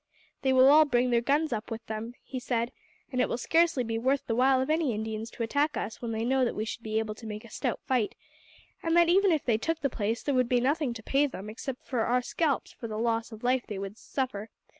"They will all bring their guns up with them," he said, "and it will scarcely be worth the while of any Indians to attack us when they know that we should be able to make a stout fight, and that even if they took the place there would be nothing to pay them except our scalps for the loss of life they would suffer.